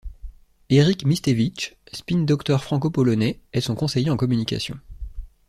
Eryk Mistewicz, spin doctor franco-polonais est son conseiller en communication.